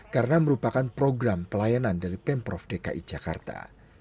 karena merupakan program pelayanan dari pemprov dki jakarta